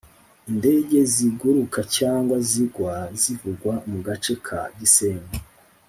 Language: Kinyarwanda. indege ziguruka cyangwa zigwa zivugwa mu gace ka gisenyi